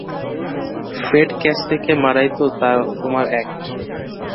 Fred কেসলিকে মারাই তো তোমার অ্যাক্ট।